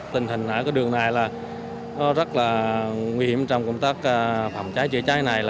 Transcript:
tình hình ở đường này rất là nguy hiểm trong công tác phòng cháy chữa cháy này